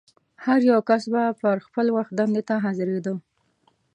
هر یو کس به پر خپل وخت دندې ته حاضرېده.